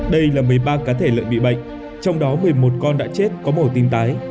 đây là một mươi ba cá thể lợn bị bệnh trong đó một mươi một con đã chết có màu tím tái